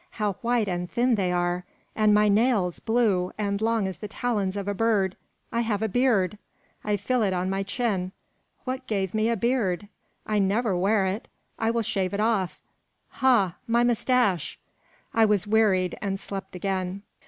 how white and thin they are! and my nails, blue, and long as the talons of a bird! I have a beard! I feel it on my chin. What gave me a beard? I never wear it; I will shave it off ha! my moustache!" I was wearied, and slept again.